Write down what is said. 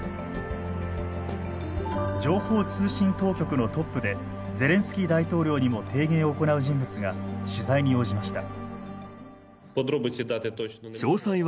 情報通信当局のトップでゼレンスキー大統領にも提言を行う人物が取材に応じました。